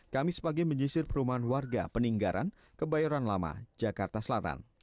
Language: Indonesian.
kamis pagi menyisir perumahan warga peninggaran kebayoran lama jakarta selatan